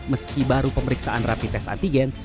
meski baru pemeriksaan rapi tes antigen